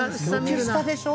軒下でしょ。